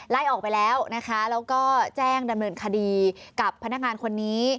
ไล่ออกไปแล้วนะคะแล้วก็แจ้งดำเนินคดีกับพนักงานคนนี้